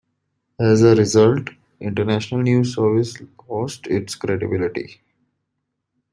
As a result, International News Service lost its credibility.